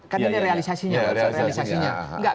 kan ini realisasinya